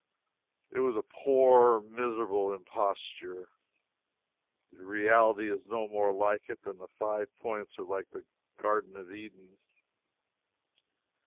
It was a poor, miserable imposture. The reality is no more like it than the Five Points are like the Garden of Eden.